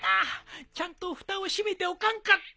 ちゃんとふたを閉めておかんかった。